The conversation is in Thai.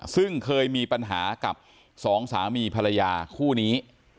ซึ่งเคยมีปัญหากับสองสามีภรรยาคู่นี้